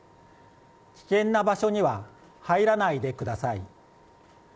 危険な場所には入らないでください。